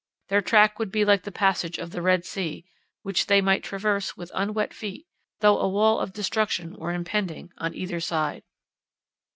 Their track would be like the passage of the Red Sea, which they might traverse with unwet feet, though a wall of destruction were impending on either side.